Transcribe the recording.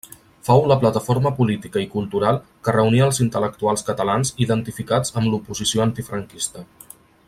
Fou la plataforma política i cultural que reunia els intel·lectuals catalans identificats amb l'oposició antifranquista.